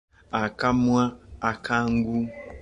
Akamwa akangu,……..